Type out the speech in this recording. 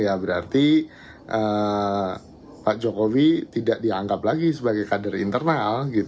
ya berarti pak jokowi tidak dianggap lagi sebagai kader internal